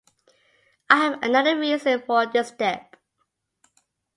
I have another reason for this step.